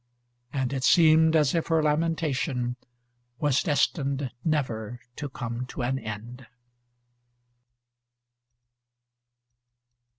And it seemed as if her lamentation was destined never to come to an end.